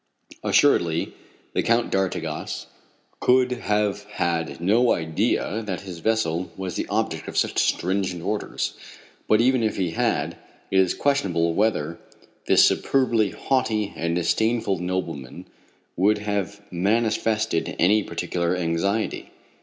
Assuredly the Count d'Artigas could have had no idea that his vessel was the object of such stringent orders; but even if he had, it is questionable whether this superbly haughty and disdainful nobleman would have manifested any particular anxiety.